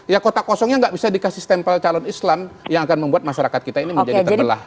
ya kota kosongnya nggak bisa dikasih stempel calon islam yang akan membuat masyarakat kita ini menjadi terbelah